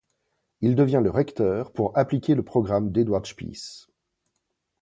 Il devient le recteur pour appliquer le programme d'Eduard Spieß.